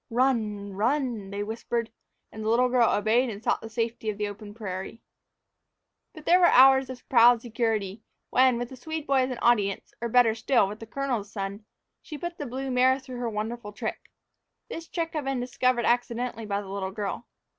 "Run run!" they whispered, and the little girl obeyed and sought the safety of the open prairie. But there were hours of proud security, when, with the Swede boy as an audience, or, better still, with the colonel's son, she put the blue mare through her wonderful trick. This trick had been discovered accidentally by the little girl.